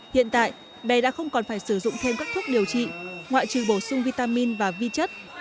hiện tại bé đã không còn phải sử dụng thêm các thuốc điều trị ngoại trừ bổ sung vitamin và vi chất